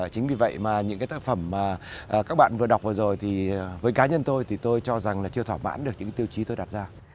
chính vì vậy mà những cái tác phẩm mà các bạn vừa đọc vừa rồi thì với cá nhân tôi thì tôi cho rằng là chưa thỏa mãn được những tiêu chí tôi đặt ra